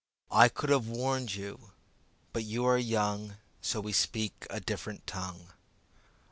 I could have warned you, but you are young, So we speak a different tongue.